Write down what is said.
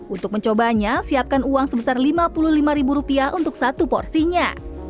untuk mencobanya siapkan uang sebesar lima puluh lima ribu rupiah untuk satu porsinya